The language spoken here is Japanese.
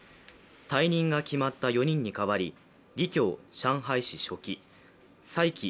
退任が決まった４人に代わり李強上海市書記蔡奇